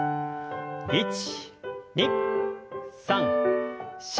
１２３４。